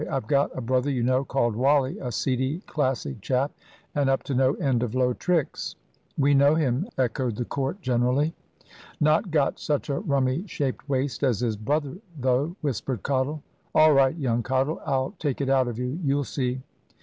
I've got a brother, you know, called Wally, a seedy Classic chap, and up to no end of low tricks." "We know him," echoed the court generally. "Not got such a rummy shaped waist as his brother, though," whispered Cottle. "All right, young Cottle, I'll take it out of you, you'll see."